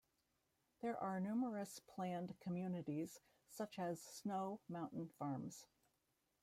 There are numerous planned communities such as Snow Mountain Farms.